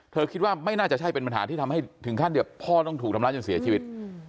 คิดว่าไม่น่าจะใช่เป็นปัญหาที่ทำให้ถึงขั้นเดี๋ยวพ่อต้องถูกทำร้ายจนเสียชีวิต